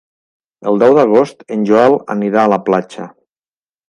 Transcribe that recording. El deu d'agost en Joel anirà a la platja.